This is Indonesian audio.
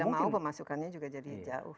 ya mau tidak mau pemasukannya juga jadi jauh